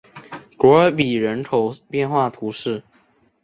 古尔比人口变化图示